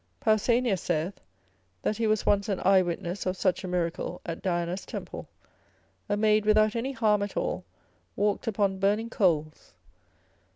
Pausanias saith, that he was once an eyewitness of such a miracle at Diana's temple, a maid without any harm at all walked upon burning coals.